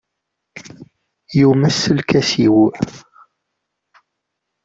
Yumes lkas-iw.